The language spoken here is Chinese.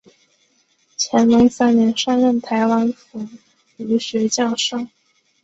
乾隆三年上任台湾府儒学教授。